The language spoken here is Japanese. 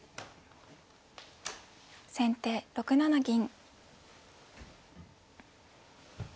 先手６七銀。